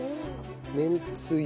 めんつゆ。